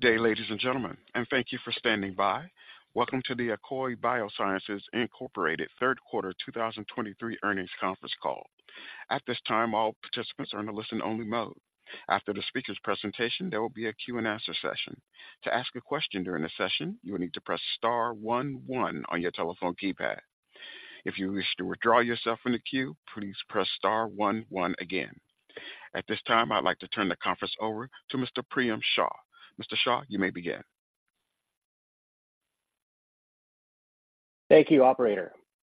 Good day, ladies and gentlemen, and thank you for standing by. Welcome to the Akoya Biosciences Incorporated third quarter 2023 earnings conference call. At this time, all participants are in a listen-only mode. After the speaker's presentation, there will be a Q&A session. To ask a question during the session, you will need to press star one one on your telephone keypad. If you wish to withdraw yourself from the queue, please press star one one again. At this time, I'd like to turn the conference over to Mr. Priyam Shah. Mr. Shah, you may begin. Thank you, operator,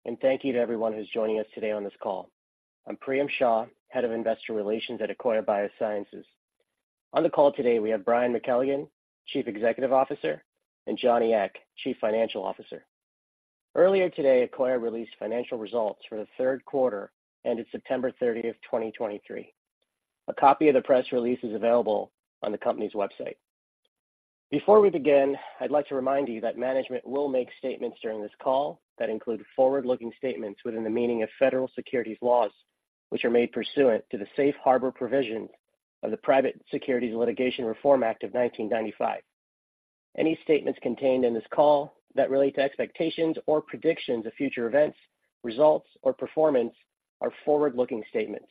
and thank you to everyone who's joining us today on this call. I'm Priyam Shah, Head of Investor Relations at Akoya Biosciences. On the call today, we have Brian McKelligon, Chief Executive Officer, and Johnny Ek, Chief Financial Officer. Earlier today, Akoya released financial results for the third quarter, ended September 30, 2023. A copy of the press release is available on the company's website. Before we begin, I'd like to remind you that management will make statements during this call that include forward-looking statements within the meaning of federal securities laws, which are made pursuant to the Safe Harbor provisions of the Private Securities Litigation Reform Act of 1995. Any statements contained in this call that relate to expectations or predictions of future events, results, or performance are forward-looking statements.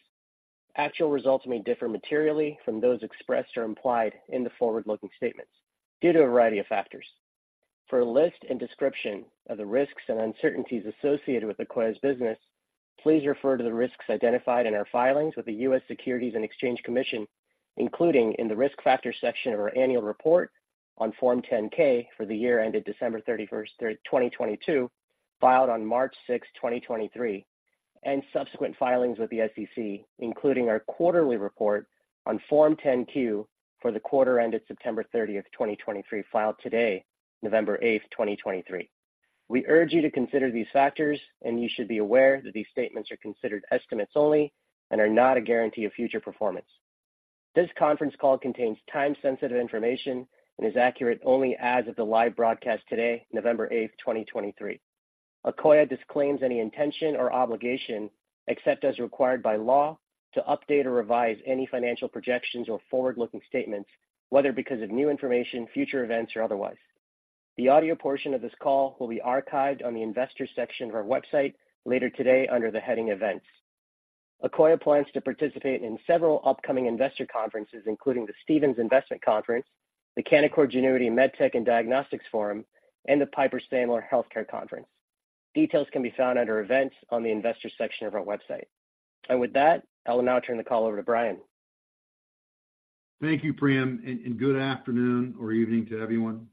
Actual results may differ materially from those expressed or implied in the forward-looking statements due to a variety of factors. For a list and description of the risks and uncertainties associated with Akoya's business, please refer to the risks identified in our filings with the US Securities and Exchange Commission, including in the Risk Factors section of our annual report on Form 10-K for the year ended December 31, 2022, filed on March 6, 2023, and subsequent filings with the SEC, including our quarterly report on Form 10-Q for the quarter ended September 30, 2023, filed today, November 8, 2023. We urge you to consider these factors, and you should be aware that these statements are considered estimates only and are not a guarantee of future performance. This conference call contains time-sensitive information and is accurate only as of the live broadcast today, November 8, 2023. Akoya disclaims any intention or obligation, except as required by law, to update or revise any financial projections or forward-looking statements, whether because of new information, future events, or otherwise. The audio portion of this call will be archived on the Investors section of our website later today under the heading Events. Akoya plans to participate in several upcoming investor conferences, including the Stephens Investment Conference, the Canaccord Genuity MedTech and Diagnostics Forum, and the Piper Sandler Healthcare Conference. Details can be found under Events on the Investors section of our website. With that, I will now turn the call over to Brian. Thank you, Priyam, and good afternoon or evening to everyone.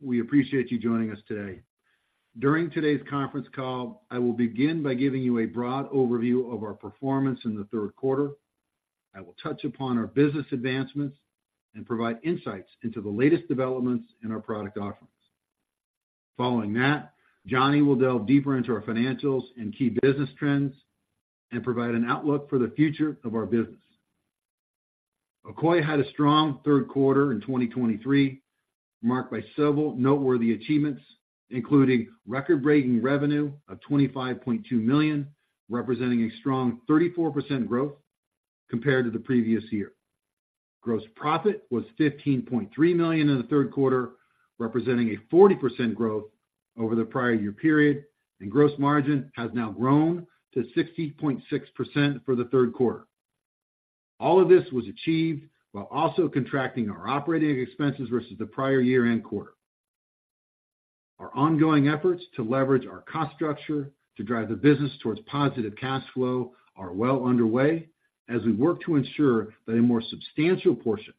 We appreciate you joining us today. During today's conference call, I will begin by giving you a broad overview of our performance in the third quarter. I will touch upon our business advancements and provide insights into the latest developments in our product offerings. Following that, Johnny will delve deeper into our financials and key business trends and provide an outlook for the future of our business. Akoya had a strong third quarter in 2023, marked by several noteworthy achievements, including record-breaking revenue of $25.2 million, representing a strong 34% growth compared to the previous year. Gross profit was $15.3 million in the third quarter, representing a 40% growth over the prior year period, and gross margin has now grown to 60.6% for the third quarter. All of this was achieved while also contracting our operating expenses versus the prior year and quarter. Our ongoing efforts to leverage our cost structure to drive the business towards positive cash flow are well underway as we work to ensure that a more substantial portion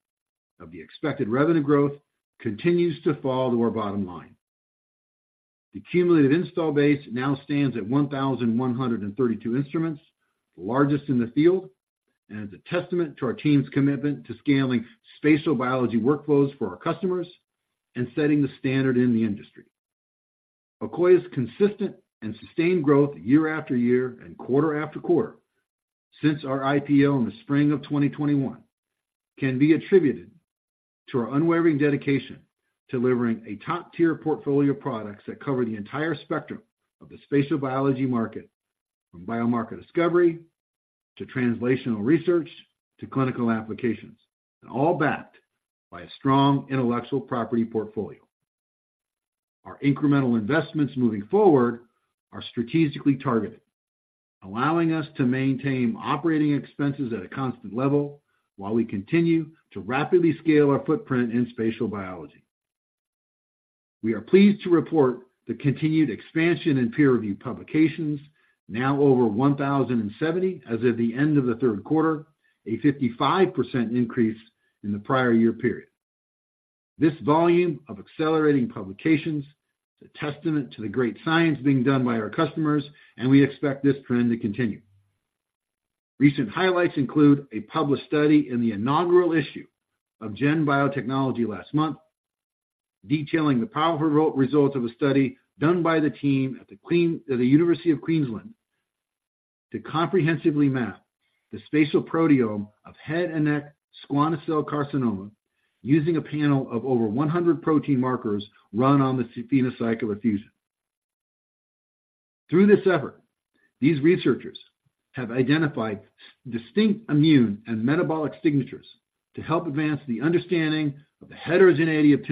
of the expected revenue growth continues to fall to our bottom line. The cumulative install base now stands at 1,132 instruments, the largest in the field, and is a testament to our team's commitment to scaling spatial biology workflows for our customers and setting the standard in the industry. Akoya's consistent and sustained growth year after year and quarter after quarter since our IPO in the spring of 2021, can be attributed to our unwavering dedication to delivering a top-tier portfolio of products that cover the entire spectrum of the spatial biology market, from biomarker discovery, to translational research, to clinical applications, and all backed by a strong intellectual property portfolio. Our incremental investments moving forward are strategically targeted, allowing us to maintain operating expenses at a constant level while we continue to rapidly scale our footprint in spatial biology. We are pleased to report the continued expansion in peer review publications, now over 1,070 as of the end of the third quarter, a 55% increase in the prior year period. This volume of accelerating publications is a testament to the great science being done by our customers, and we expect this trend to continue. Recent highlights include a published study in the inaugural issue of GEN Biotechnology last month, detailing the powerful results of a study done by the team at the University of Queensland, to comprehensively map the spatial proteome of head and neck squamous cell carcinoma using a panel of over 100 protein markers run on the PhenoCycler-Fusion. Through this effort, these researchers have identified distinct immune and metabolic signatures to help advance the understanding of the heterogeneity of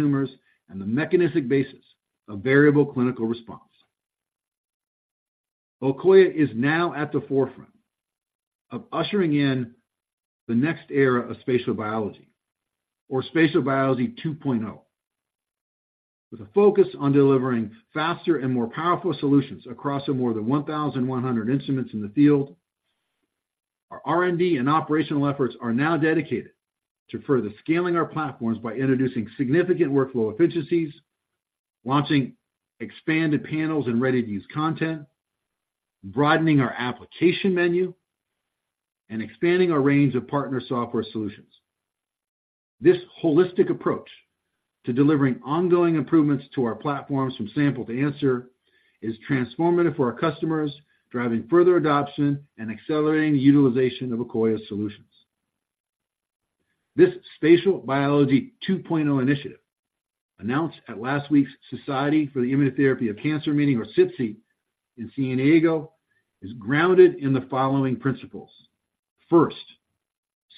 tumors and the mechanistic basis of variable clinical response. Akoya is now at the forefront of ushering in the next era of spatial biology, or Spatial Biology 2.0. With a focus on delivering faster and more powerful solutions across the more than 1,100 instruments in the field, our R&D and operational efforts are now dedicated to further scaling our platforms by introducing significant workflow efficiencies, launching expanded panels and ready-to-use content, broadening our application menu, and expanding our range of partner software solutions. This holistic approach to delivering ongoing improvements to our platforms from sample to answer, is transformative for our customers, driving further adoption and accelerating the utilization of Akoya solutions. This Spatial Biology 2.0 initiative, announced at last week's Society for Immunotherapy of Cancer meeting, or SITC, in San Diego, is grounded in the following principles: First,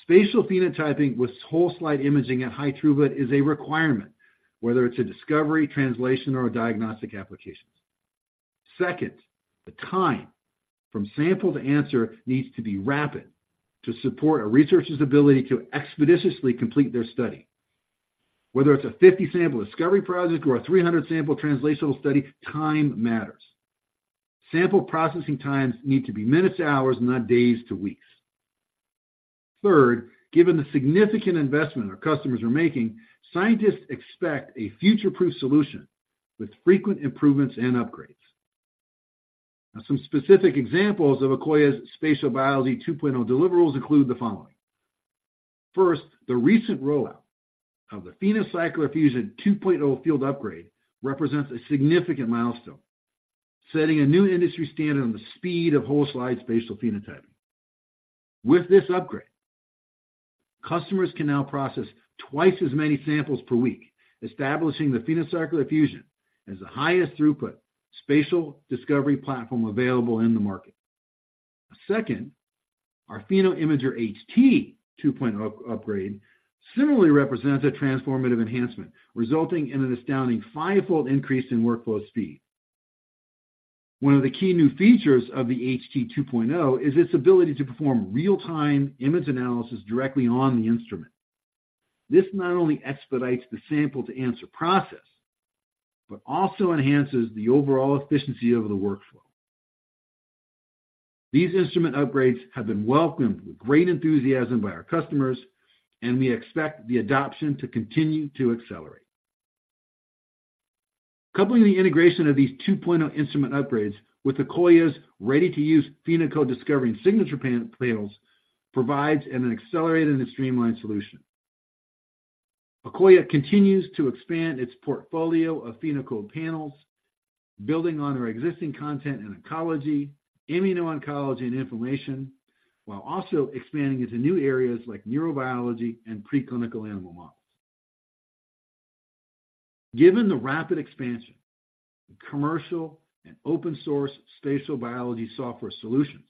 spatial phenotyping with whole slide imaging at high throughput is a requirement, whether it's a discovery, translational, or a diagnostic applications. Second, the time from sample to answer needs to be rapid to support a researcher's ability to expeditiously complete their study. Whether it's a 50-sample discovery project or a 300-sample translational study, time matters. Sample processing times need to be minutes to hours, not days to weeks. Third, given the significant investment our customers are making, scientists expect a future-proof solution with frequent improvements and upgrades. Now, some specific examples of Akoya's Spatial Biology 2.0 deliverables include the following: First, the recent rollout of the PhenoCycler Fusion 2.0 field upgrade represents a significant milestone, setting a new industry standard on the speed of whole slide spatial phenotyping. With this upgrade, customers can now process twice as many samples per week, establishing the PhenoCycler Fusion as the highest throughput spatial discovery platform available in the market. Second, our PhenoImager HT 2.0 upgrade similarly represents a transformative enhancement, resulting in an astounding five-fold increase in workflow speed. One of the key new features of the HT 2.0 is its ability to perform real-time image analysis directly on the instrument. This not only expedites the sample-to-answer process, but also enhances the overall efficiency of the workflow. These instrument upgrades have been welcomed with great enthusiasm by our customers, and we expect the adoption to continue to accelerate. Coupling the integration of these 2.0 instrument upgrades with Akoya's ready-to-use PhenoCode Discovery and Signature panels provides an accelerated and streamlined solution. Akoya continues to expand its portfolio of PhenoCode panels, building on our existing content in oncology, immuno-oncology, and inflammation, while also expanding into new areas like neurobiology and preclinical animal models. Given the rapid expansion in commercial and open source spatial biology software solutions,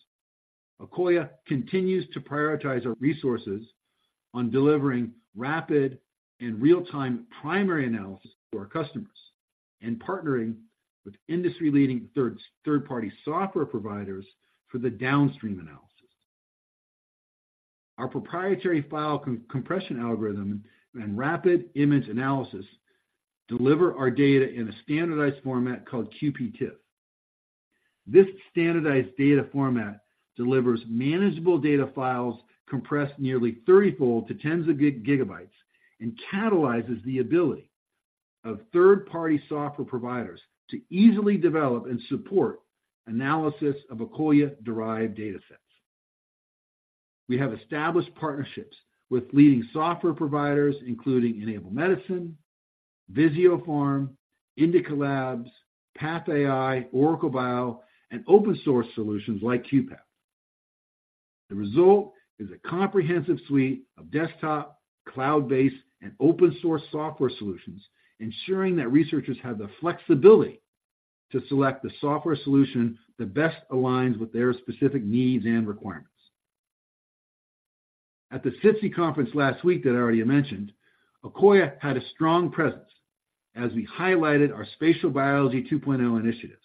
Akoya continues to prioritize our resources on delivering rapid and real-time primary analysis to our customers and partnering with industry-leading third-party software providers for the downstream analysis. Our proprietary file compression algorithm and rapid image analysis deliver our data in a standardized format called QPTIFF. This standardized data format delivers manageable data files compressed nearly 30-fold to tens of gigabytes, and catalyzes the ability of third-party software providers to easily develop and support analysis of Akoya-derived datasets. We have established partnerships with leading software providers, including Enable Medicine, Visiopharm, Indica Labs, PathAI, OracleBio, and open source solutions like QuPath. The result is a comprehensive suite of desktop, cloud-based, and open source software solutions, ensuring that researchers have the flexibility to select the software solution that best aligns with their specific needs and requirements. At the SITC conference last week that I already mentioned, Akoya had a strong presence as we highlighted our Spatial Biology 2.0 initiatives.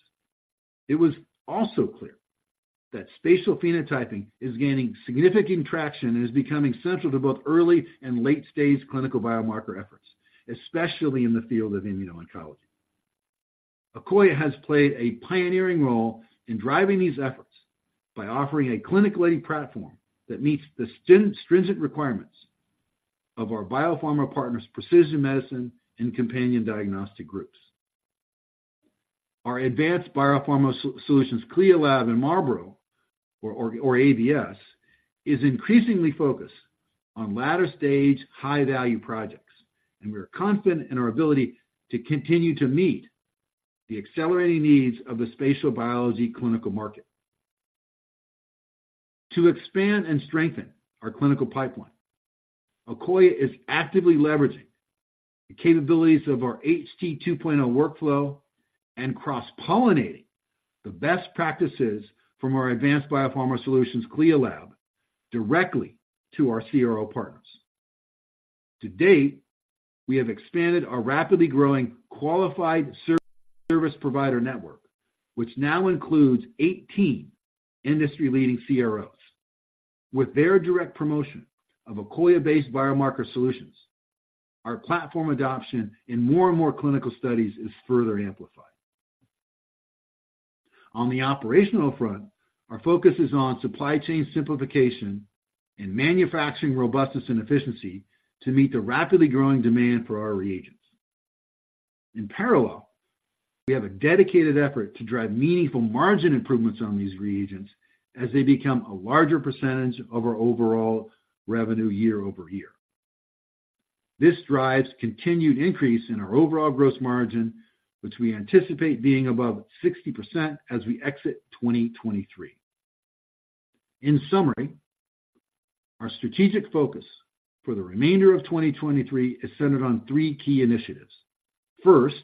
It was also clear that spatial phenotyping is gaining significant traction and is becoming central to both early and late-stage clinical biomarker efforts, especially in the field of immuno-oncology. Akoya has played a pioneering role in driving these efforts by offering a clinical-leading platform that meets the stringent requirements of our biopharma partners, precision medicine, and companion diagnostic groups. Our Advanced Biopharma Solutions CLIA Lab in Marlborough, ABS, is increasingly focused on latter-stage, high-value projects, and we are confident in our ability to continue to meet the accelerating needs of the spatial biology clinical market. To expand and strengthen our clinical pipeline, Akoya is actively leveraging the capabilities of our HT 2.0 workflow and cross-pollinating the best practices from our Advanced Biopharma Solutions CLIA lab directly to our CRO partners. To date, we have expanded our rapidly growing qualified service provider network, which now includes 18 industry-leading CROs. With their direct promotion of Akoya-based biomarker solutions, our platform adoption in more and more clinical studies is further amplified. On the operational front, our focus is on supply chain simplification and manufacturing robustness and efficiency to meet the rapidly growing demand for our reagents. In parallel, we have a dedicated effort to drive meaningful margin improvements on these reagents as they become a larger percentage of our overall revenue year-over-year. This drives continued increase in our overall gross margin, which we anticipate being above 60% as we exit 2023. In summary, our strategic focus for the remainder of 2023 is centered on three key initiatives. First,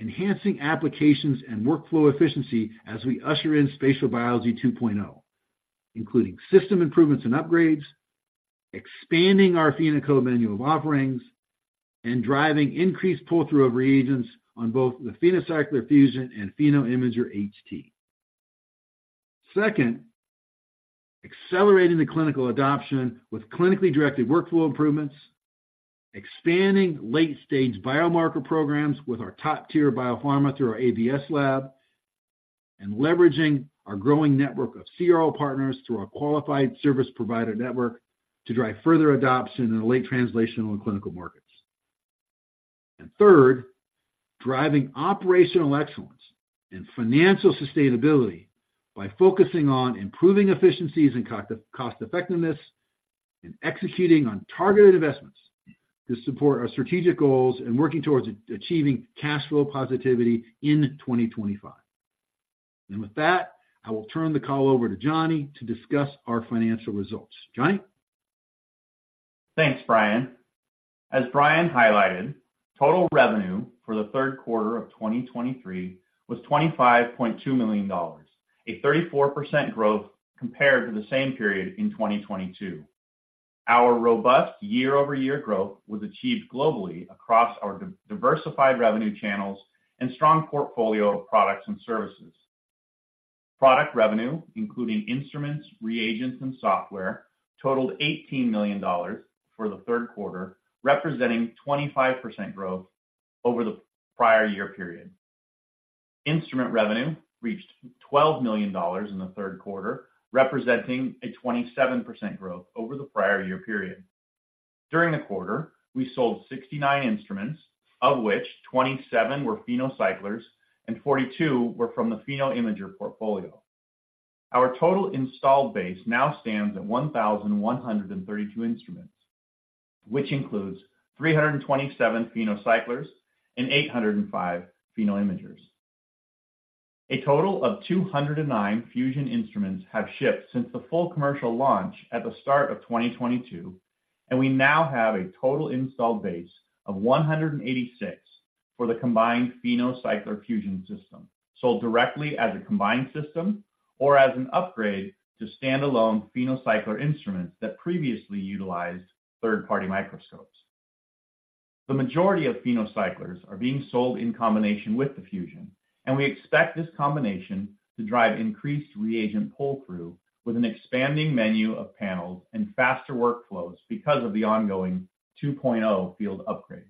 enhancing applications and workflow efficiency as we usher in Spatial Biology 2.0, including system improvements and upgrades, expanding our PhenoCode menu of offerings, and driving increased pull-through of reagents on both the PhenoCycler Fusion and PhenoImager HT. Second, accelerating the clinical adoption with clinically directed workflow improvements, expanding late-stage biomarker programs with our top-tier biopharma through our ABS lab, and leveraging our growing network of CRO partners through our qualified service provider network to drive further adoption in the late translational and clinical markets. And third, driving operational excellence and financial sustainability by focusing on improving efficiencies and cost, cost effectiveness, and executing on targeted investments to support our strategic goals and working towards achieving cash flow positivity in 2025. With that, I will turn the call over to Johnny to discuss our financial results. Johnny? Thanks, Brian. As Brian highlighted, total revenue for the third quarter of 2023 was $25.2 million, a 34% growth compared to the same period in 2022. Our robust year-over-year growth was achieved globally across our diversified revenue channels and strong portfolio of products and services. Product revenue, including instruments, reagents, and software, totaled $18 million for the third quarter, representing 25% growth over the prior year period. Instrument revenue reached $12 million in the third quarter, representing a 27% growth over the prior year period. During the quarter, we sold 69 instruments, of which 27 were PhenoCyclers and 42 were from the PhenoImager portfolio. Our total installed base now stands at 1,132 instruments, which includes 327 PhenoCyclers and 805 PhenoImagers. A total of 209 Fusion instruments have shipped since the full commercial launch at the start of 2022, and we now have a total installed base of 186 for the combined PhenoCycler Fusion system, sold directly as a combined system or as an upgrade to standalone PhenoCycler instruments that previously utilized third-party microscopes. The majority of PhenoCyclers are being sold in combination with the Fusion, and we expect this combination to drive increased reagent pull-through with an expanding menu of panels and faster workflows because of the ongoing 2.0 field upgrades.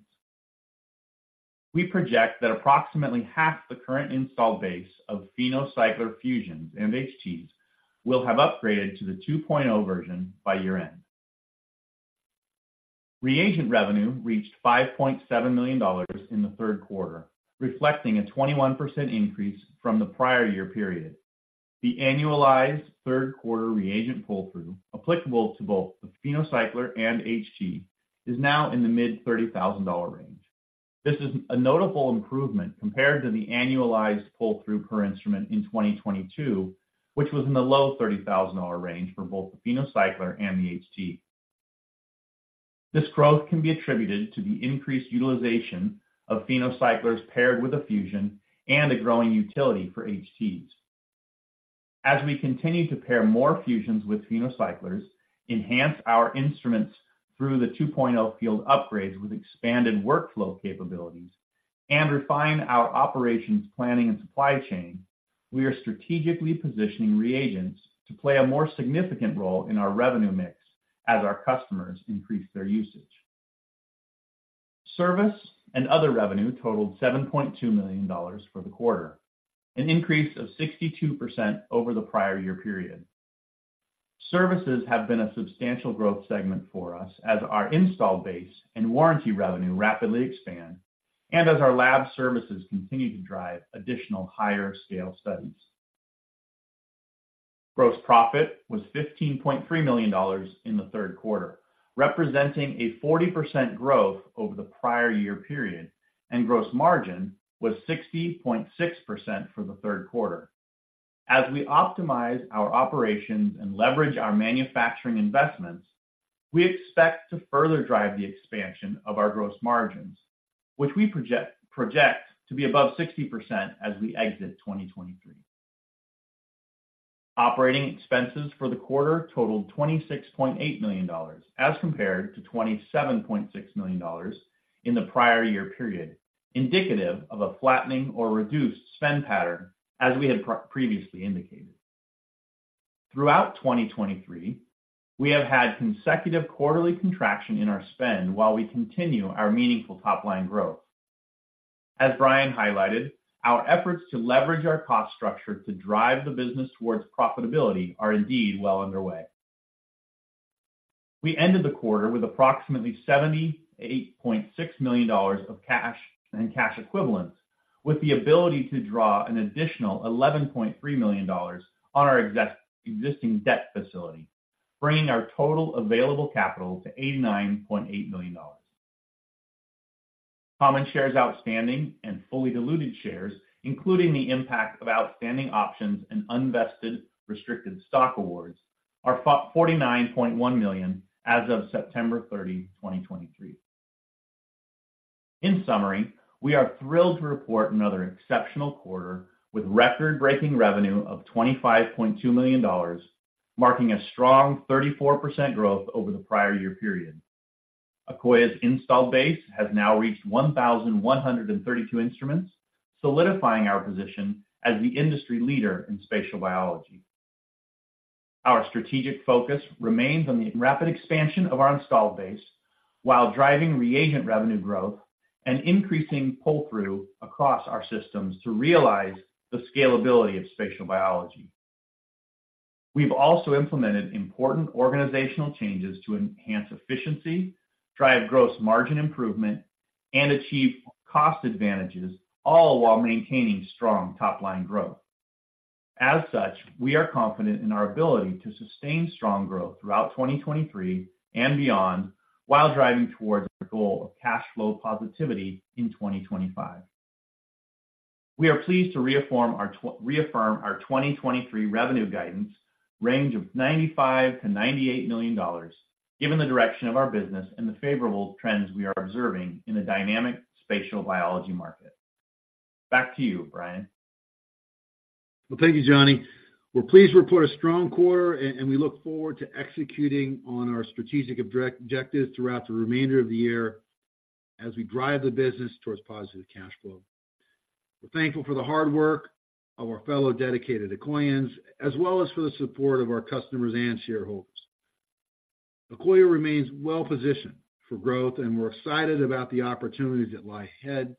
We project that approximately half the current installed base of PhenoCycler Fusions and HTs will have upgraded to the 2.0 version by year-end. Reagent revenue reached $5.7 million in the third quarter, reflecting a 21% increase from the prior year period. The annualized third quarter reagent pull-through, applicable to both the PhenoCycler and HT, is now in the mid-$30,000 range. This is a notable improvement compared to the annualized pull-through per instrument in 2022, which was in the low-$30,000 range for both the PhenoCycler and the HT. This growth can be attributed to the increased utilization of PhenoCyclers paired with a Fusion and a growing utility for HTs. As we continue to pair more Fusions with PhenoCyclers, enhance our instruments through the 2.0 field upgrades with expanded workflow capabilities, and refine our operations, planning, and supply chain, we are strategically positioning reagents to play a more significant role in our revenue mix as our customers increase their usage. Service and other revenue totaled $7.2 million for the quarter, an increase of 62% over the prior year period. Services have been a substantial growth segment for us as our install base and warranty revenue rapidly expand, and as our lab services continue to drive additional higher scale studies. Gross profit was $15.3 million in the third quarter, representing a 40% growth over the prior year period, and gross margin was 60.6% for the third quarter. As we optimize our operations and leverage our manufacturing investments, we expect to further drive the expansion of our gross margins, which we project, project to be above 60% as we exit 2023. Operating expenses for the quarter totaled $26.8 million, as compared to $27.6 million in the prior year period, indicative of a flattening or reduced spend pattern, as we had previously indicated. Throughout 2023, we have had consecutive quarterly contraction in our spend while we continue our meaningful top-line growth. As Brian highlighted, our efforts to leverage our cost structure to drive the business towards profitability are indeed well underway. We ended the quarter with approximately $78.6 million of cash and cash equivalents, with the ability to draw an additional $11.3 million on our existing debt facility, bringing our total available capital to $89.8 million. Common shares outstanding and fully diluted shares, including the impact of outstanding options and unvested restricted stock awards, are 49.1 million as of September 30, 2023. In summary, we are thrilled to report another exceptional quarter, with record-breaking revenue of $25.2 million, marking a strong 34% growth over the prior year period. Akoya's install base has now reached 1,132 instruments, solidifying our position as the industry leader in spatial biology. Our strategic focus remains on the rapid expansion of our installed base while driving reagent revenue growth and increasing pull-through across our systems to realize the scalability of spatial biology. We've also implemented important organizational changes to enhance efficiency, drive gross margin improvement, and achieve cost advantages, all while maintaining strong top-line growth. As such, we are confident in our ability to sustain strong growth throughout 2023 and beyond while driving towards our goal of cash flow positivity in 2025. We are pleased to reaffirm our 2023 revenue guidance range of $95 million-$98 million, given the direction of our business and the favorable trends we are observing in the dynamic spatial biology market. Back to you, Brian. Well, thank you, Johnny. We're pleased to report a strong quarter, and we look forward to executing on our strategic objectives throughout the remainder of the year as we drive the business toward positive cash flow. We're thankful for the hard work of our fellow dedicated Akoyans, as well as for the support of our customers and shareholders. Akoya remains well positioned for growth, and we're excited about the opportunities that lie ahead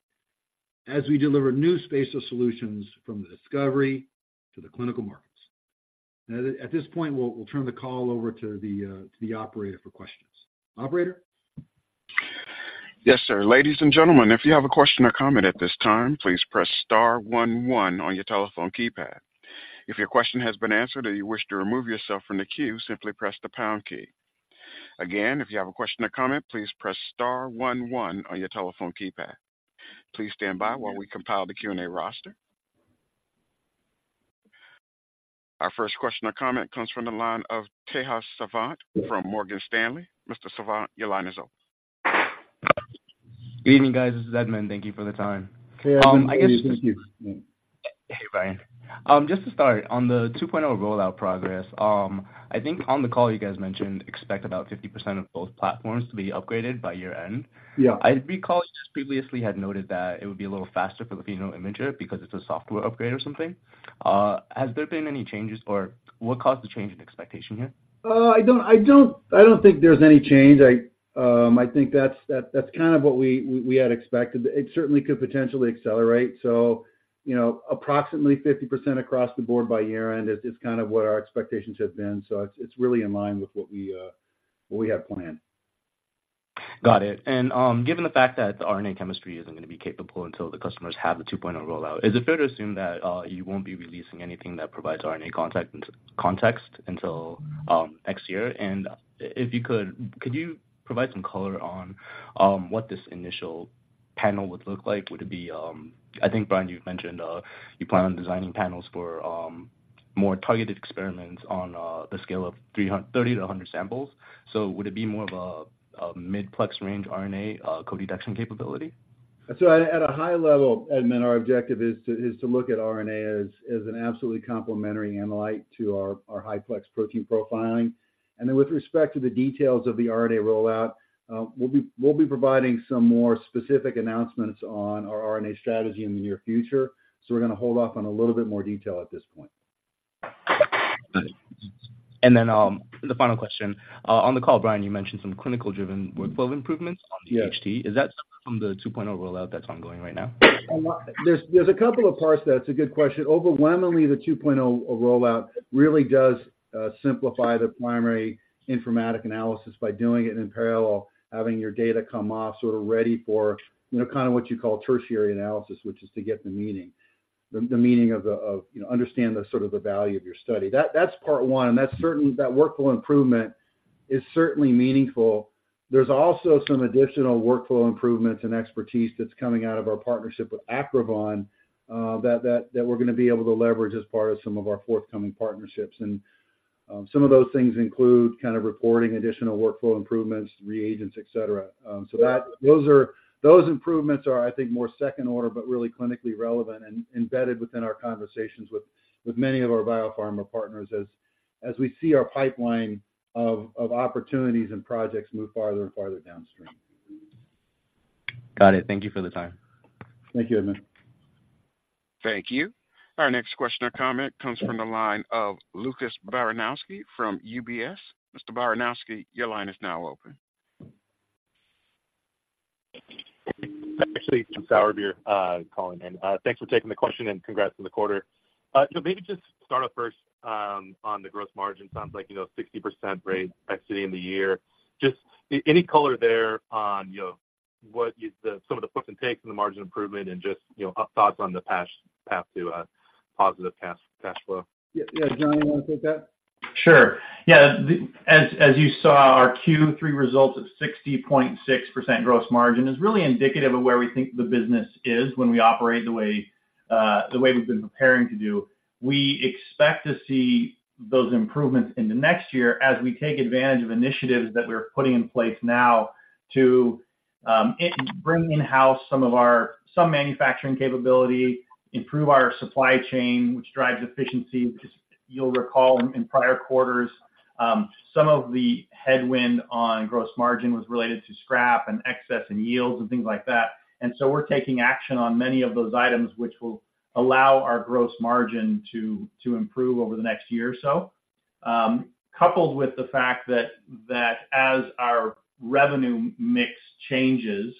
as we deliver new spatial solutions from the discovery to the clinical markets. At this point, we'll turn the call over to the operator for questions. Operator? Yes, sir. Ladies and gentlemen, if you have a question or comment at this time, please press star one one on your telephone keypad. If your question has been answered or you wish to remove yourself from the queue, simply press the pound key. Again, if you have a question or comment, please press star one one on your telephone keypad. Please stand by while we compile the Q&A roster. Our first question or comment comes from the line of Tejas Savant from Morgan Stanley. Mr. Savant, your line is open. Good evening, guys. This is Edmund. Thank you for the time. Tejas, nice to meet you. Hey, Brian. Just to start, on the 2.0 rollout progress, I think on the call you guys mentioned, expect about 50% of both platforms to be upgraded by year-end. Yeah. I recall you just previously had noted that it would be a little faster for the PhenoImager because it's a software upgrade or something. Has there been any changes, or what caused the change in expectation here? I don't think there's any change. I think that's kind of what we had expected. It certainly could potentially accelerate. So, you know, approximately 50% across the board by year-end is kind of what our expectations have been. So it's really in line with what we had planned. Got it. And, given the fact that the RNA chemistry isn't going to be capable until the customers have the 2.0 rollout, is it fair to assume that you won't be releasing anything that provides RNA context until next year? And if you could, could you provide some color on what this initial panel would look like? Would it be I think, Brian, you've mentioned you plan on designing panels for more targeted experiments on the scale of 30-100 samples. So would it be more of a mid-plex range RNA codetection capability? So at a high level, Edmund, our objective is to look at RNA as an absolutely complementary analyte to our high-plex protein profiling. And then with respect to the details of the RNA rollout, we'll be providing some more specific announcements on our RNA strategy in the near future, so we're going to hold off on a little bit more detail at this point. Got it. And then, the final question on the call, Brian, you mentioned some clinical-driven workflow improvements- Yeah. -on the HT. Is that from the 2.0 rollout that's ongoing right now? There's a couple of parts to that. It's a good question. Overwhelmingly, the 2.0 rollout really does simplify the primary informatics analysis by doing it in parallel, having your data come off sort of ready for, you know, kind of what you call tertiary analysis, which is to get the meaning of the, you know, understand the sort of the value of your study. That's part one, and that's certain, that workflow improvement is certainly meaningful. There's also some additional workflow improvements and expertise that's coming out of our partnership with Acrivon that we're gonna be able to leverage as part of some of our forthcoming partnerships. And some of those things include kind of reporting additional workflow improvements, reagents, et cetera. So those improvements are, I think, more second order, but really clinically relevant and embedded within our conversations with many of our biopharma partners as we see our pipeline of opportunities and projects move farther and farther downstream. Got it. Thank you for the time. Thank you, Edmund. Thank you. Our next question or comment comes from the line of Lucas Baranowski from UBS. Mr. Baranowski, your line is now open. Actually, it's Sourbeer calling in. Thanks for taking the question, and congrats on the quarter. So maybe just start off first, on the gross margin. Sounds like, you know, 60% rate by city in the year. Just any color there on, you know, what is the—some of the puts and takes in the margin improvement and just, you know, thoughts on the path to a positive cash flow? Yeah. Yeah, Johnny, you wanna take that? Sure. Yeah, the as, as you saw, our Q3 results of 60.6% gross margin is really indicative of where we think the business is when we operate the way, the way we've been preparing to do. We expect to see those improvements in the next year as we take advantage of initiatives that we're putting in place now to, in- bring in-house some of our some manufacturing capability, improve our supply chain, which drives efficiency, which is, you'll recall in, in prior quarters, some of the headwind on gross margin was related to scrap and excess and yields and things like that. And so we're taking action on many of those items, which will allow our gross margin to, to improve over the next year or so. Coupled with the fact that as our revenue mix changes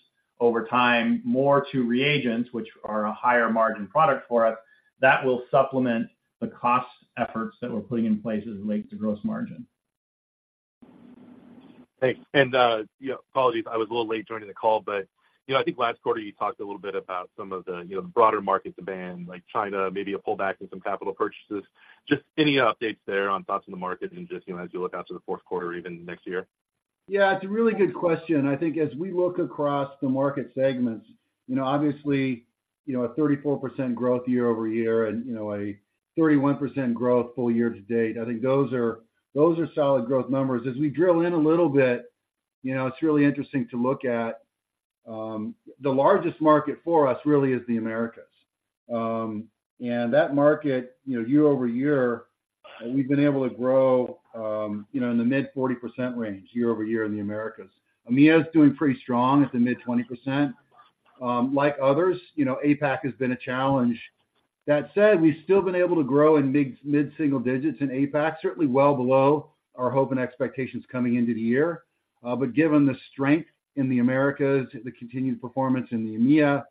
over time, more to reagents, which are a higher margin product for us, that will supplement the cost efforts that we're putting in place as it relates to gross margin. Thanks. And, you know, apologies, I was a little late joining the call, but, you know, I think last quarter, you talked a little bit about some of the, you know, the broader market demand, like China, maybe a pullback in some capital purchases. Just any updates there on thoughts on the market and just, you know, as you look out to the fourth quarter or even next year? Yeah, it's a really good question. I think as we look across the market segments, you know, obviously, you know, a 34% growth year-over-year and, you know, a 31% growth full year to date, I think those are, those are solid growth numbers. As we drill in a little bit, you know, it's really interesting to look at, the largest market for us really is the Americas. And that market, you know, year-over-year, we've been able to grow, you know, in the mid-40% range, year-over-year in the Americas. EMEA is doing pretty strong at the mid-20%. Like others, you know, APAC has been a challenge. That said, we've still been able to grow in mid-single digits in APAC, certainly well below our hope and expectations coming into the year. But given the strength in the Americas, the continued performance in the EMEA,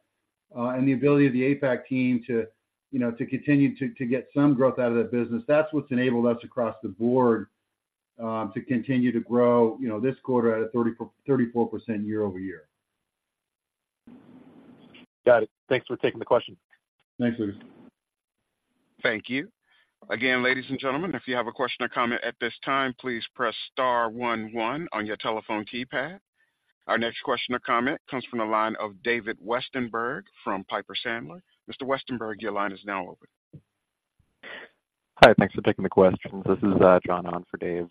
and the ability of the APAC team to, you know, continue to get some growth out of that business, that's what's enabled us across the board to continue to grow, you know, this quarter at a 34, 34% year-over-year. Got it. Thanks for taking the question. Thanks, Lukas. Thank you. Again, ladies and gentlemen, if you have a question or comment at this time, please press star one one on your telephone keypad. Our next question or comment comes from the line of David Westenberg from Piper Sandler. Mr. Westenberg, your line is now open. Hi, thanks for taking the questions. This is, John on for Dave.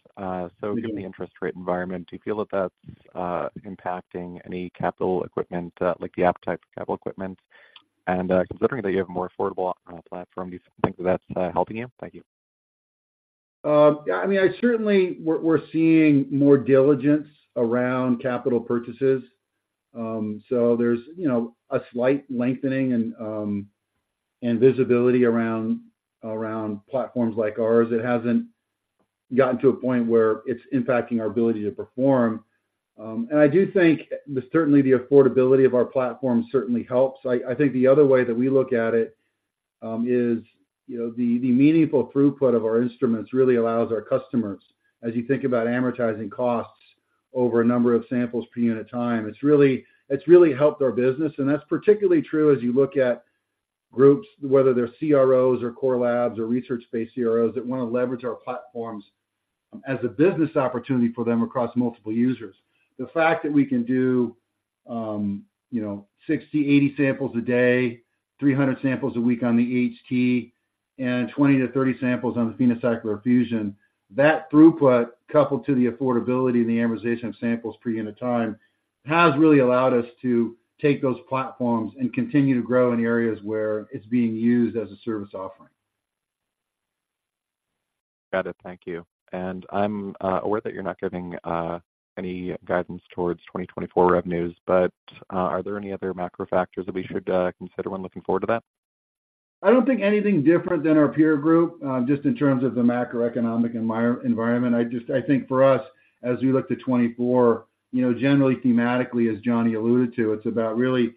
So given the interest rate environment, do you feel that that's impacting any capital equipment, like the appetite for capital equipment? And, considering that you have a more affordable platform, do you think that that's helping you? Thank you. Yeah, I mean, I certainly, we're seeing more diligence around capital purchases. So there's, you know, a slight lengthening and visibility around platforms like ours. It hasn't gotten to a point where it's impacting our ability to perform. And I do think certainly the affordability of our platform certainly helps. I think the other way that we look at it is, you know, the meaningful throughput of our instruments really allows our customers, as you think about amortizing costs over a number of samples per unit time, it's really, it's really helped our business, and that's particularly true as you look at groups, whether they're CROs or core labs or research-based CROs, that wanna leverage our platforms as a business opportunity for them across multiple users. The fact that we can do, you know, 60-80 samples a day, 300 samples a week on the HT, and 20-30 samples on the PhenoCycler Fusion, that throughput, coupled to the affordability and the amortization of samples per unit time, has really allowed us to take those platforms and continue to grow in areas where it's being used as a service offering. Got it. Thank you. I'm aware that you're not giving any guidance towards 2024 revenues, but are there any other macro factors that we should consider when looking forward to that? I don't think anything different than our peer group, just in terms of the macroeconomic environment. I think for us, as we look to 2024, you know, generally thematically, as Johnny alluded to, it's about really,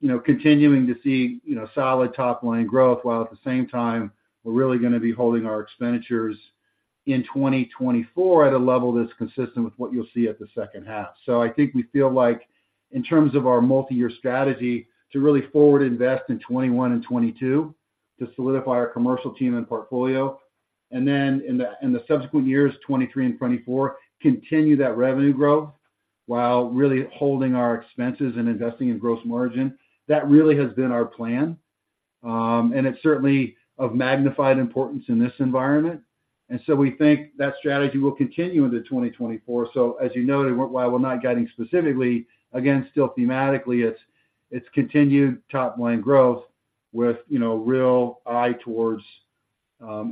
you know, continuing to see, you know, solid top-line growth, while at the same time, we're really gonna be holding our expenditures in 2024 at a level that's consistent with what you'll see at the second half. So I think we feel like in terms of our multi-year strategy to really forward invest in 2021 and 2022, to solidify our commercial team and portfolio. And then in the subsequent years, 2023 and 2024, continue that revenue growth while really holding our expenses and investing in gross margin. That really has been our plan, and it's certainly of magnified importance in this environment, and so we think that strategy will continue into 2024. So as you noted, while we're not guiding specifically, again, still thematically, it's, it's continued top-line growth with, you know, real eye towards,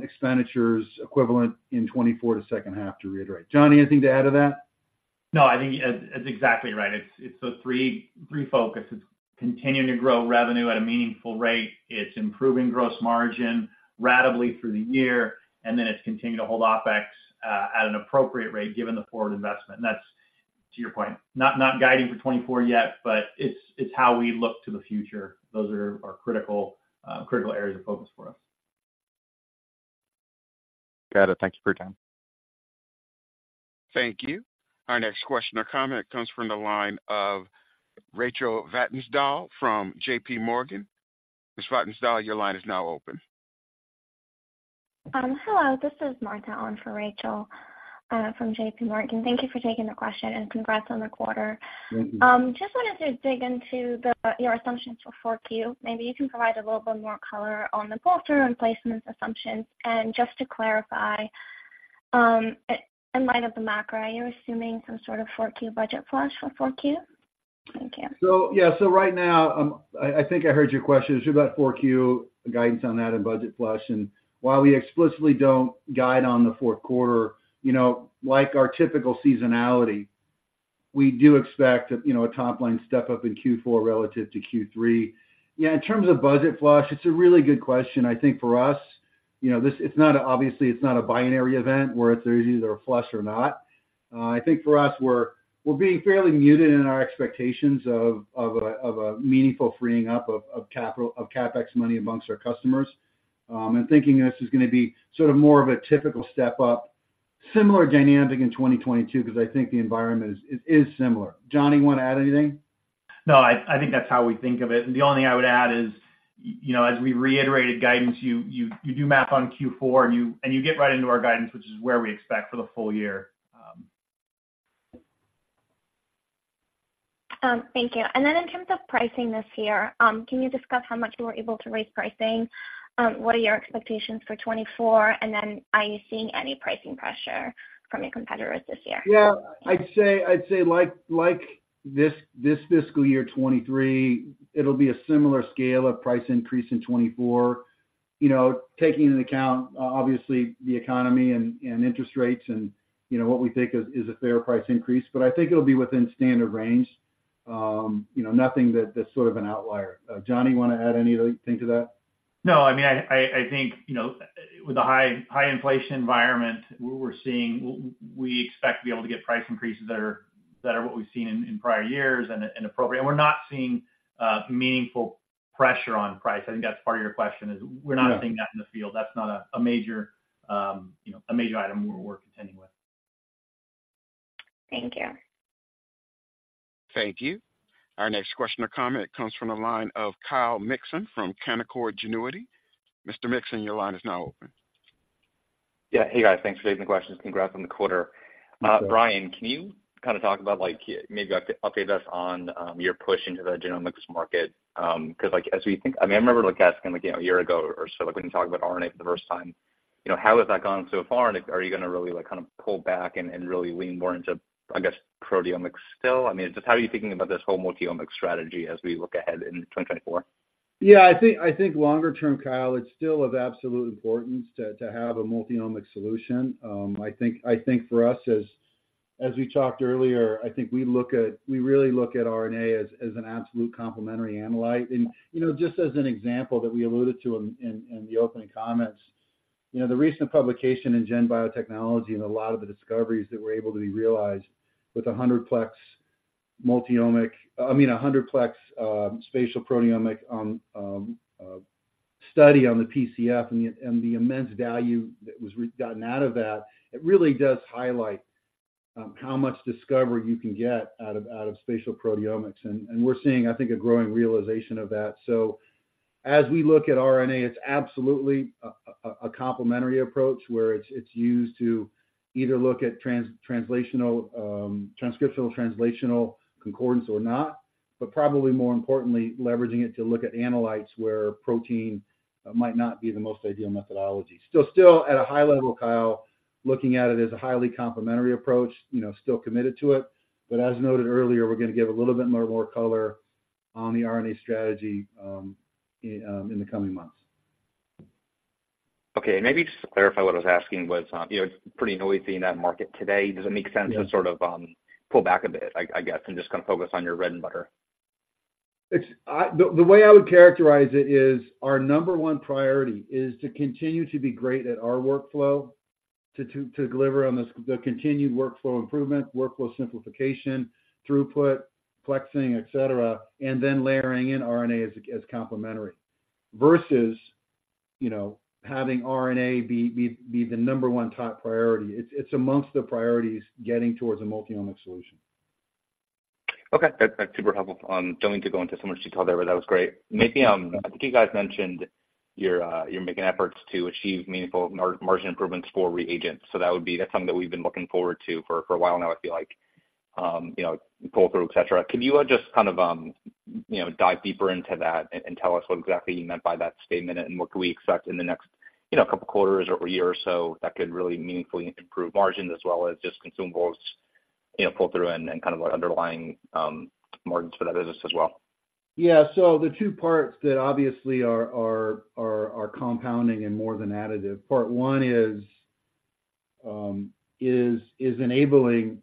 expenditures equivalent in 2024 to second half, to reiterate. Johnny, anything to add to that? No, I think that's exactly right. It's so three focuses: continuing to grow revenue at a meaningful rate, improving gross margin ratably through the year, and then continuing to hold OpEx at an appropriate rate, given the forward investment. And that's to your point, not guiding for 2024 yet, but it's how we look to the future. Those are our critical areas of focus for us. Got it. Thank you for your time. Thank you. Our next question or comment comes from the line of Rachel Vatnsdal from JP Morgan. Ms. Vatnsdal, your line is now open. Hello, this is Martha, on for Rachel, from JP Morgan. Thank you for taking the question, and congrats on the quarter. Thank you. Just wanted to dig into your assumptions for Q4. Maybe you can provide a little bit more color on the posture and placements assumptions. Just to clarify, in light of the macro, are you assuming some sort of Q4 budget flush for Q4? Thank you. So, yeah. So right now, I think I heard your question. It's about Q4 guidance on that and budget flush. While we explicitly don't guide on the fourth quarter, you know, like our typical seasonality, we do expect, you know, a top-line step-up in Q4 relative to Q3. Yeah, in terms of budget flush, it's a really good question. I think for us, you know, this, it's not a, obviously, it's not a binary event where it's either a flush or not. I think for us, we're being fairly muted in our expectations of a meaningful freeing up of capital, CapEx money amongst our customers, and thinking this is gonna be sort of more of a typical step-up, similar dynamic in 2022, because I think the environment is, it is similar. Johnny, you want to add anything? No, I think that's how we think of it. The only thing I would add is, you know, as we reiterated guidance, you do math on Q4, and you get right into our guidance, which is where we expect for the full year. Thank you. And then in terms of pricing this year, can you discuss how much you were able to raise pricing? What are your expectations for 2024? And then, are you seeing any pricing pressure from your competitors this year? Yeah, I'd say, like this fiscal year, 2023, it'll be a similar scale of price increase in 2024. You know, taking into account obviously, the economy and interest rates and, you know, what we think is a fair price increase, but I think it'll be within standard range. You know, nothing that's sort of an outlier. Johnny, you wanna add anything to that? No. I mean, I think, you know, with a high, high inflation environment, we're seeing - we expect to be able to get price increases that are, that are what we've seen in, in prior years and, and appropriate. We're not seeing meaningful pressure on price. I think that's part of your question, is we're not seeing that in the field. Yeah. That's not a major, you know, a major item we're contending with. Thank you. Thank you. Our next question or comment comes from the line of Kyle Mikson from Canaccord Genuity. Mr. Mikson, your line is now open. Yeah. Hey, guys, thanks for taking the questions. Congrats on the quarter. Thank you. Brian, can you kind of talk about, like, maybe update us on your push into the genomics market? Because, like, as we think, I mean, I remember, like, asking, like, you know, a year ago or so, like, when you talked about RNA for the first time, you know, how has that gone so far? And are you gonna really, like, kind of pull back and really lean more into, I guess, proteomics still? I mean, just how are you thinking about this whole multiomics strategy as we look ahead in 2024? Yeah, I think, I think longer term, Kyle, it's still of absolute importance to, to have a multiomics solution. I think, I think for us, as, as we talked earlier, I think we look at— we really look at RNA as, as an absolute complementary analyte. And, you know, just as an example that we alluded to in the opening comments, you know, the recent publication in GEN Biotechnology and a lot of the discoveries that were able to be realized with a 100-plex multiomic- I mean, a 100-plex spatial proteomics study on the PhenoCycler-Fusion and the immense value that was gotten out of that, it really does highlight how much discovery you can get out of spatial proteomics. And we're seeing, I think, a growing realization of that. So as we look at RNA, it's absolutely a complementary approach, where it's used to either look at translational, transcriptional, translational concordance or not, but probably more importantly, leveraging it to look at analytes where protein might not be the most ideal methodology. So still, at a high level, Kyle, looking at it as a highly complementary approach, you know, still committed to it. But as noted earlier, we're gonna give a little bit more color on the RNA strategy in the coming months. Okay. Maybe just to clarify, what I was asking was, you know, it's pretty noisy in that market today. Yeah. Does it make sense to sort of pull back a bit, I guess, and just kind of focus on your bread and butter? The way I would characterize it is, our number one priority is to continue to be great at our workflow, to deliver on the continued workflow improvement, workflow simplification, throughput, plexing, et cetera, and then layering in RNA as complementary. Versus you know, having RNA be the number one top priority. It's amongst the priorities, getting towards a multi-omics solution. Okay, that's, that's super helpful. Don't need to go into so much detail there, but that was great. Maybe, I think you guys mentioned you're, you're making efforts to achieve meaningful margin improvements for reagents. So that would be, that's something that we've been looking forward to for, for a while now, I feel like, you know, pull-through, et cetera. Could you, just kind of, you know, dive deeper into that and, and tell us what exactly you meant by that statement, and what could we expect in the next, you know, couple quarters or year or so, that could really meaningfully improve margins as well as just consumables, you know, pull-through and, and kind of the underlying, margins for that business as well? Yeah, so the two parts that obviously are compounding and more than additive. Part one is enabling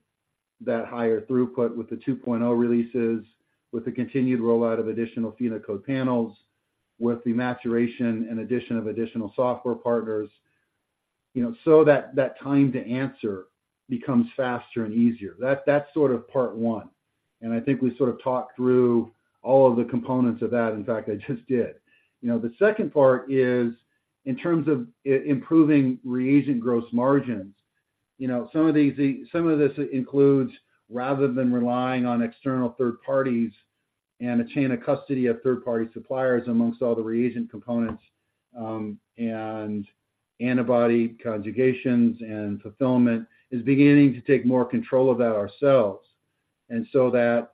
that higher throughput with the 2.0 releases, with the continued rollout of additional PhenoCode panels, with the maturation and addition of additional software partners, you know, so that time to answer becomes faster and easier. That's sort of part one, and I think we sort of talked through all of the components of that. In fact, I just did. You know, the second part is in terms of improving reagent gross margins. You know, some of these, some of this includes, rather than relying on external third parties and a chain of custody of third-party suppliers amongst all the reagent components, and antibody conjugations and fulfillment, is beginning to take more control of that ourselves. And so that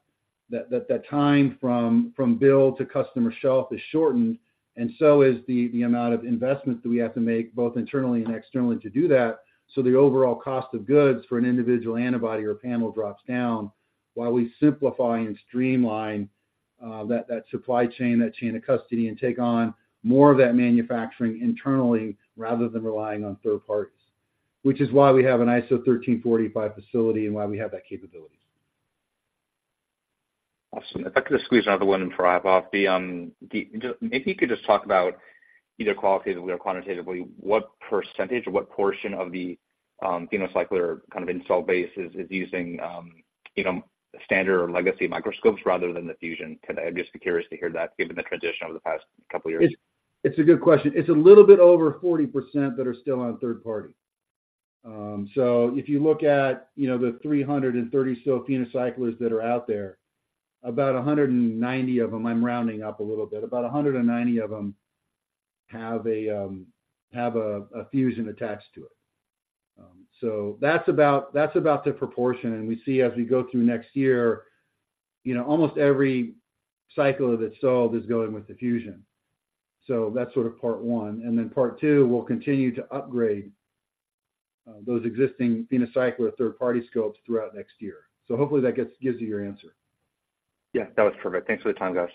the time from build to customer shelf is shortened and so is the amount of investment that we have to make, both internally and externally, to do that. So the overall cost of goods for an individual antibody or panel drops down while we simplify and streamline that supply chain, that chain of custody, and take on more of that manufacturing internally, rather than relying on third parties. Which is why we have an ISO 13485 facility and why we have that capability. Awesome. If I could just squeeze another one in for Akoya. Just maybe you could just talk about either qualitatively or quantitatively, what percentage or what portion of the PhenoCycler kind of install base is using, you know, standard or legacy microscopes rather than the Fusion? Kinda, I'd just be curious to hear that, given the transition over the past couple of years. It's a good question. It's a little bit over 40% that are still on third party. So if you look at, you know, the 330 PhenoCyclers that are out there, about 190 of them, I'm rounding up a little bit, about 190 of them have a Fusion attached to it. So that's about the proportion, and we see as we go through next year, you know, almost every cycler that's sold is going with the Fusion. So that's sort of part one. And then part two, we'll continue to upgrade those existing PhenoCycler third-party scopes throughout next year. So hopefully that gives you your answer. Yeah, that was perfect. Thanks for the time, guys.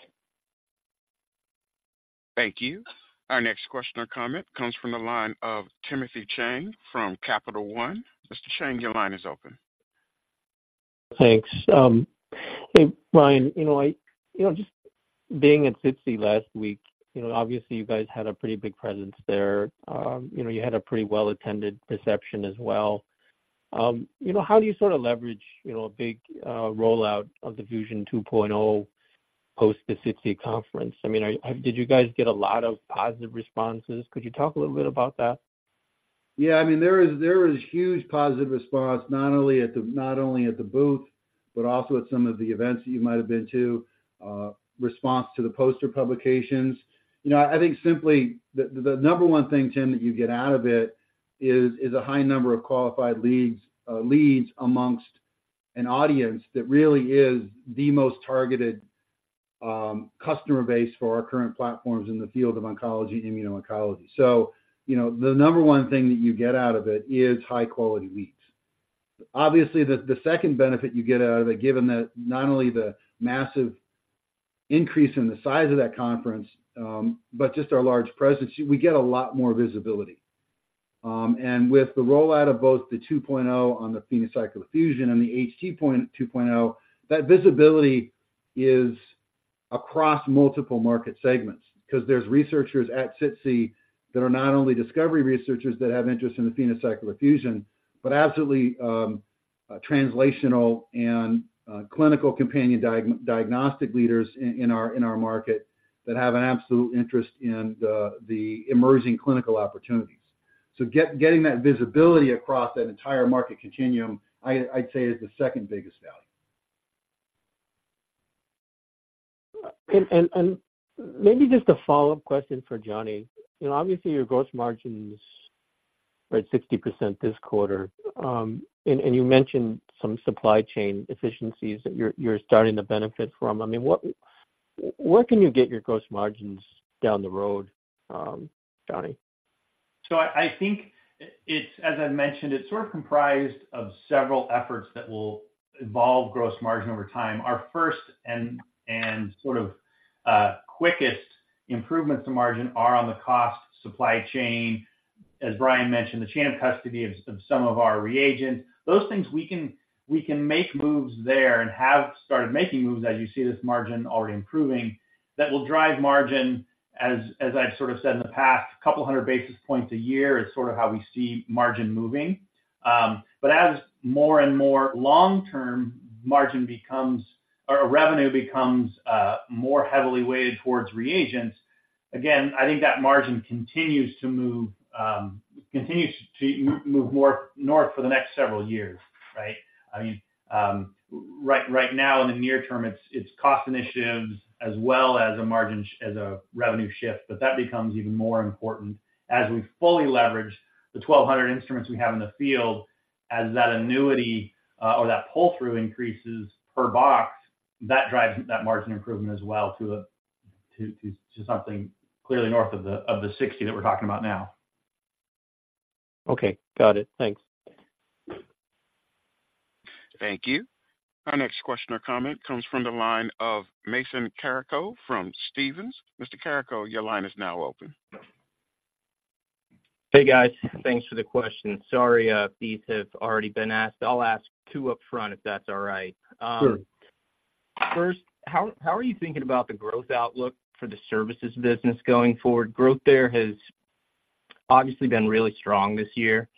Thank you. Our next question or comment comes from the line of Timothy Chiang from Capital One. Mr. Chiang, your line is open. Thanks. Hey, Brian, you know, you know, just being at SITC last week, you know, obviously, you guys had a pretty big presence there. You know, you had a pretty well-attended reception as well. You know, how do you sort of leverage, you know, a big rollout of the Fusion 2.0 post the SITC conference? I mean, did you guys get a lot of positive responses? Could you talk a little bit about that? Yeah, I mean, there was huge positive response, not only at the booth, but also at some of the events that you might have been to, response to the poster publications. You know, I think simply the number one thing, Tim, that you get out of it is a high number of qualified leads, leads amongst an audience that really is the most targeted customer base for our current platforms in the field of oncology and Immuno-oncology. So, you know, the number one thing that you get out of it is high-quality leads. Obviously, the second benefit you get out of it, given that not only the massive increase in the size of that conference, but just our large presence, we get a lot more visibility. and with the rollout of both the 2.0 on the PhenoCycler-Fusion and the HT 2.0, that visibility is across multiple market segments. Because there's researchers at SITC that are not only discovery researchers that have interest in the PhenoCycler-Fusion, but absolutely, translational and clinical companion diagnostic leaders in our market that have an absolute interest in the emerging clinical opportunities. So getting that visibility across that entire market continuum, I'd say is the second biggest value. Maybe just a follow-up question for Johnny. You know, obviously, your gross margins were at 60% this quarter, and you mentioned some supply chain efficiencies that you're starting to benefit from. I mean, what, where can you get your gross margins down the road, Johnny? So I think it, it's as I mentioned, it's sort of comprised of several efforts that will evolve gross margin over time. Our first and, and sort of, quickest improvements to margin are on the cost supply chain. As Brian mentioned, the chain of custody of some of our reagents. Those things we can make moves there and have started making moves as you see this margin already improving, that will drive margin as I've sort of said in the past, 200 basis points a year is sort of how we see margin moving. But as more and more long-term margin becomes or revenue becomes more heavily weighted towards reagents- Again, I think that margin continues to move more north for the next several years, right? I mean, right now, in the near term, it's cost initiatives as well as a margin, as a revenue shift, but that becomes even more important as we fully leverage the 1,200 instruments we have in the field. As that annuity or that pull-through increases per box, that drives that margin improvement as well to something clearly north of the 60% that we're talking about now. Okay, got it. Thanks. Thank you. Our next question or comment comes from the line of Mason Carrico from Stephens. Mr. Carrico, your line is now open. Hey, guys. Thanks for the questions. Sorry, these have already been asked. I'll ask two upfront, if that's all right. Sure. First, how are you thinking about the growth outlook for the services business going forward? Growth there has obviously been really strong this year.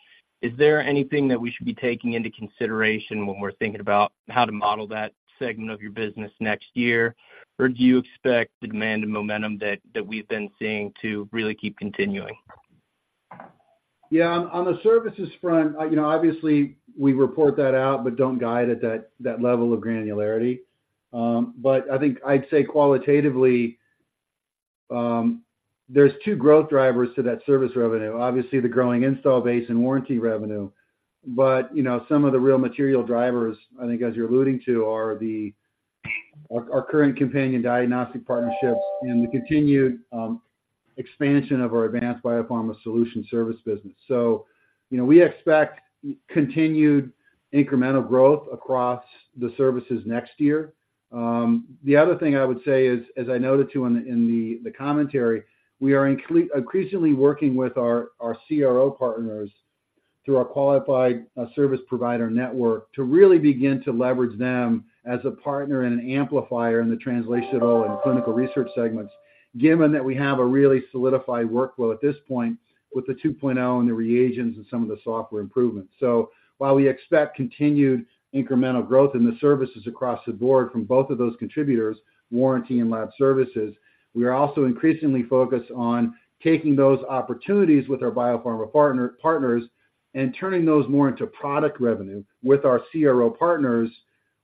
Is there anything that we should be taking into consideration when we're thinking about how to model that segment of your business next year? Or do you expect the demand and momentum that we've been seeing to really keep continuing? Yeah, on the services front, you know, obviously, we report that out but don't guide at that level of granularity. But I think I'd say qualitatively, there's two growth drivers to that service revenue: obviously, the growing install base and warranty revenue. But, you know, some of the real material drivers, I think as you're alluding to, are our current companion diagnostic partnerships and the continued expansion of our Advanced Biopharma Solutions service business. So, you know, we expect continued incremental growth across the services next year. The other thing I would say is, as I noted, too, in the commentary, we are increasingly working with our CRO partners through our Qualified Service Provider Network, to really begin to leverage them as a partner and an amplifier in the translational and clinical research segments, given that we have a really solidified workflow at this point with the 2.0 and the reagents and some of the software improvements. So while we expect continued incremental growth in the services across the board from both of those contributors, warranty and lab services, we are also increasingly focused on taking those opportunities with our biopharma partners, and turning those more into product revenue with our CRO partners,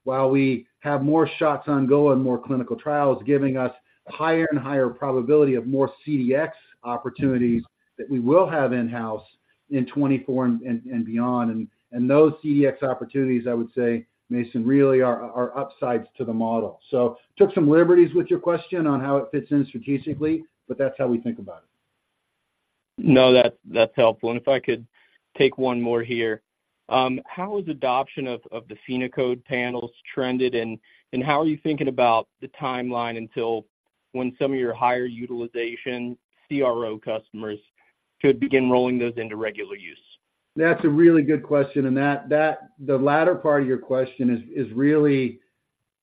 while we have more shots on goal and more clinical trials, giving us higher and higher probability of more CDx opportunities that we will have in-house in 2024 and beyond. And those CDx opportunities, I would say, Mason, really are upsides to the model. So took some liberties with your question on how it fits in strategically, but that's how we think about it. No, that's helpful. And if I could take one more here. How has adoption of the PhenoCode panels trended, and how are you thinking about the timeline until when some of your higher utilization CRO customers could begin rolling those into regular use? That's a really good question. The latter part of your question is really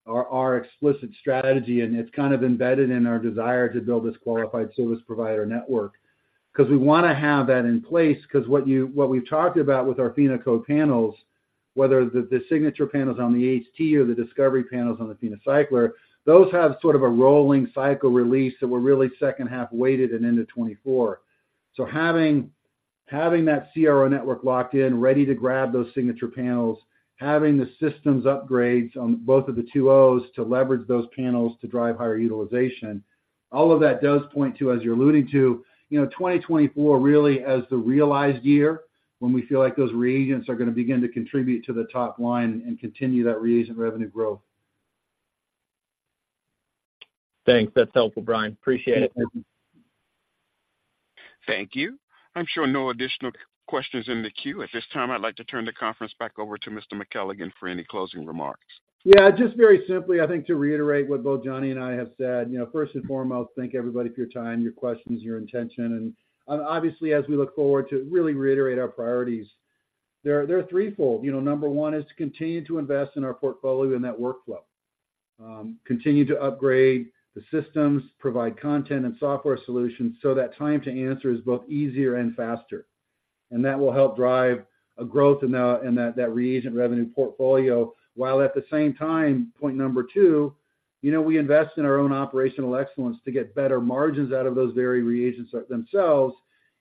our explicit strategy, and it's kind of embedded in our desire to build this Qualified Service Provider Network because we wanna have that in place, 'cause what we've talked about with our PhenoCode panels, whether the signature panels on the HT or the Discovery panels on the PhenoCycler, those have sort of a rolling cycle release, so we're really second half weighted and into 2024. So having, having that CRO network locked in, ready to grab those signature panels, having the systems upgrades on both of the 2.0s to leverage those panels to drive higher utilization, all of that does point to, as you're alluding to, you know, 2024 really as the realized year, when we feel like those reagents are gonna begin to contribute to the top line and continue that reagent revenue growth. Thanks. That's helpful, Brian. Appreciate it. Thank you. I'm showing no additional questions in the queue. At this time, I'd like to turn the conference back over to Mr. McKelligon for any closing remarks. Yeah, just very simply, I think, to reiterate what both Johnny and I have said, you know, first and foremost, thank everybody for your time, your questions, your attention. Obviously, as we look forward to really reiterate our priorities, they're threefold. You know, number one is to continue to invest in our portfolio and that workflow. Continue to upgrade the systems, provide content and software solutions, so that time to answer is both easier and faster. And that will help drive a growth in that reagent revenue portfolio, while at the same time, point number two, you know, we invest in our own operational excellence to get better margins out of those very reagents themselves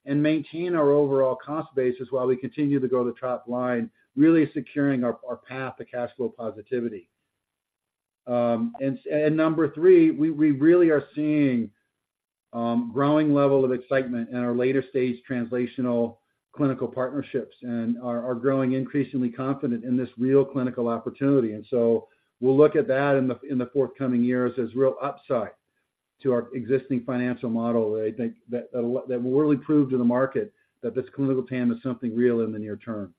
and maintain our overall cost basis while we continue to grow the top line, really securing our path to cash flow positivity. And number three, we really are seeing growing level of excitement in our later-stage translational clinical partnerships and are growing increasingly confident in this real clinical opportunity. And so we'll look at that in the forthcoming years as real upside to our existing financial model. I think that will really prove to the market that this clinical TAM is something real in the near term.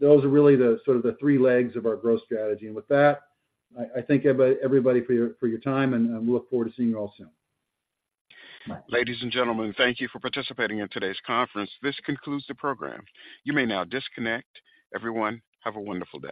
Those are really the sort of the three legs of our growth strategy. And with that, I thank everybody for your time, and we look forward to seeing you all soon. Ladies and gentlemen, thank you for participating in today's conference. This concludes the program. You may now disconnect. Everyone, have a wonderful day.